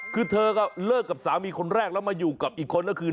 คือเธอก็เลิกกับสามีคนแรกแล้วมาอยู่กับอีกคนก็คือ